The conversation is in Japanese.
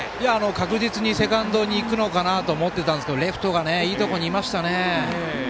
確実にセカンドに行くのかなと思っていたんですがレフトがいいところにいましたね。